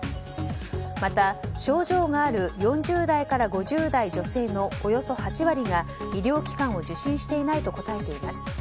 また、症状がある４０代から５０代女性のおよそ８割が医療機関を受診していないと答えています。